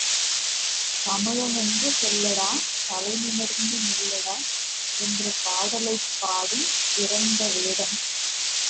தமிழனென்று சொல்லடா தலை நிமிர்ந்து நில்லடா என்ற பாடலைப் பாடும் சிறந்த வேடம்.